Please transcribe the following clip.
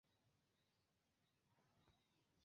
Ĉu nur vidi?